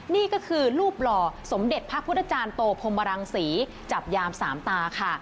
นี่ก็คือรูปหล่อสมเด็จพระพุทธจารย์โตพรมรังศรีจับยามสามตาค่ะ